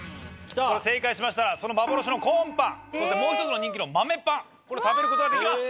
これ正解しましたらその幻のコーンぱんそしてもう１つの人気のまめぱんこれ食べる事ができます。